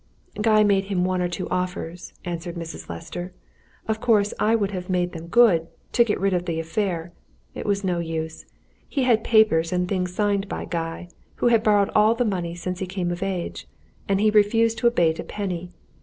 "Guy made him one or two offers," answered Mrs. Lester. "Of course I would have made them good to get rid of the affair. It was no use he had papers and things signed by Guy who had borrowed all the money since he came of age and he refused to abate a penny.